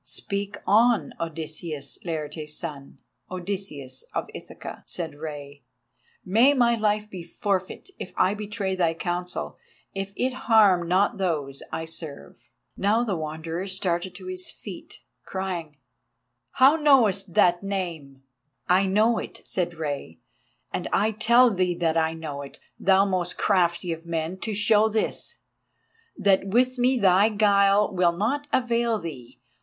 "Speak on, Odysseus, Laertes' son, Odysseus of Ithaca," said Rei; "may my life be forfeit if I betray thy counsel, if it harm not those I serve." Now the Wanderer started to his feet, crying: "How knowest thou that name?" "I know it," said Rei, "and I tell thee that I know it, thou most crafty of men, to show this, that with me thy guile will not avail thee."